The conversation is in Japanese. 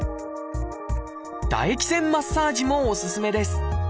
唾液腺マッサージもおすすめです。